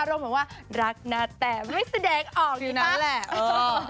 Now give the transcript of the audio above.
อารมณ์เหมือนว่ารักนะแต่ไม่แสดงออกกิ๊ปะคือนั้นแหละเออ